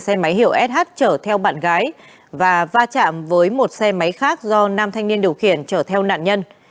sh trở theo bạn gái và va chạm với một xe máy khác do nam thanh niên điều khiển trở theo nạn nhân